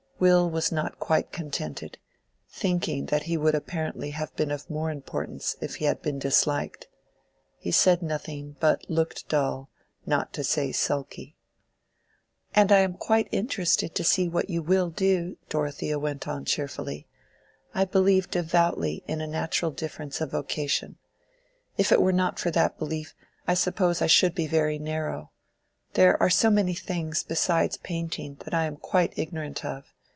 Will was not quite contented, thinking that he would apparently have been of more importance if he had been disliked. He said nothing, but looked dull, not to say sulky. "And I am quite interested to see what you will do," Dorothea went on cheerfully. "I believe devoutly in a natural difference of vocation. If it were not for that belief, I suppose I should be very narrow—there are so many things, besides painting, that I am quite ignorant of.